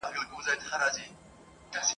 ژر به محتسبه د رندانو آزار ووینې `